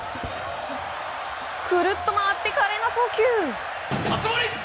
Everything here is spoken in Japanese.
くるっと回って、華麗な送球。